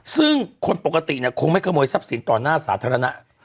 ซึ่งคนปกติเนี่ยคงไม่ขโมยทรัพย์สินต่อหน้าสาธารณะ